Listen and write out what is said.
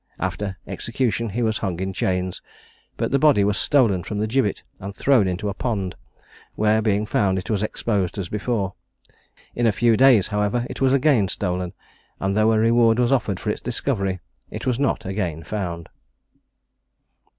After execution he was hung in chains; but the body was stolen from the gibbet, and thrown into a pond, where being found, it was exposed as before. In a few days, however, it was again stolen; and though a reward was offered for its discovery, it was not again found.